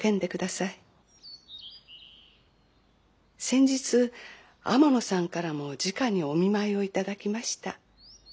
先日天野さんからもじかにお見舞いを頂きました。